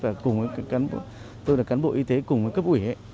và tôi là cán bộ y tế cùng với cấp ủy